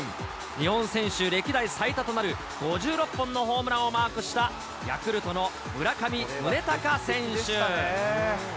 日本選手歴代最多となる５６本のホームランをマークした、ヤクルトの村上宗隆選手。